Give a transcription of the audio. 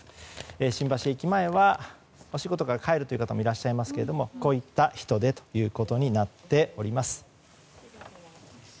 新橋駅前は仕事から帰る方もいらっしゃいますがこういった人出ということになっております。